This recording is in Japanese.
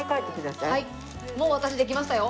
もう私できましたよ。